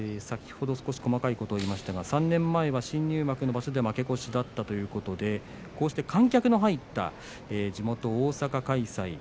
３年前は新入幕の場所で負け越しだったということでこうして観客の入った地元大阪開催